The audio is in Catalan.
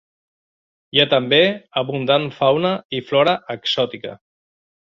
Hi ha també abundant fauna i flora exòtica.